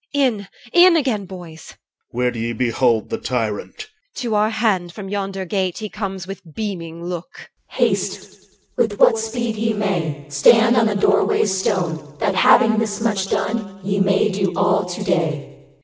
EL. In, in again, boys! OR. Where do ye behold The tyrant? EL. To our hand from yonder gate He comes with beaming look. HALF CH. Haste, with what speed ye may, 2 Stand on the doorway stone, That, having thus much done, Ye may do all to day.